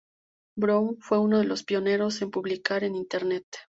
Brown fue uno de los pioneros en publicar en internet.